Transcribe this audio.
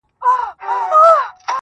څنگه دي هېره كړمه